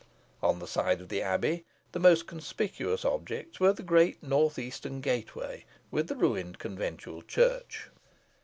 On the side of the Abbey, the most conspicuous objects were the great north eastern gateway, with the ruined conventual church.